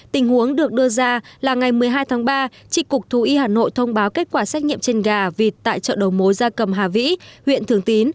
tình huống được đưa ra là ngày một mươi hai tháng ba tri cục thú y hà nội thông báo kết quả xét nghiệm trên gà vịt tại chợ đầu mối gia cầm hà vĩ huyện thường tín